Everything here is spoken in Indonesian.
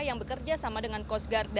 yang bekerja sama dengan coast guard indonesia